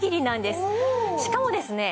しかもですね